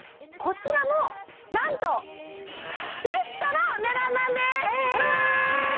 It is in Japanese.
こちらもなんとセットの値段なんです！